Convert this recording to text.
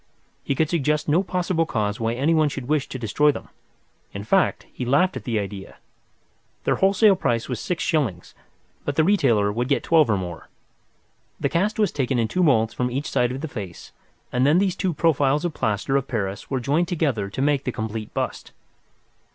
He could suggest no possible cause why anyone should wish to destroy them—in fact, he laughed at the idea. Their wholesale price was six shillings, but the retailer would get twelve or more. The cast was taken in two moulds from each side of the face, and then these two profiles of plaster of Paris were joined together to make the complete bust.